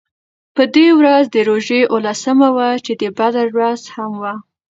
په دې ورځ د روژې اوولسمه وه چې د بدر ورځ هم وه.